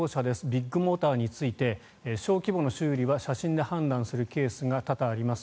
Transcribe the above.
ビッグモーターについて小規模の修理は写真で判断するケースが多々あります。